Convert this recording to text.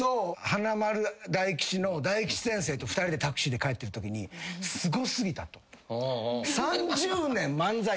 華丸・大吉の大吉先生と２人でタクシーで帰ってるときにすご過ぎたと。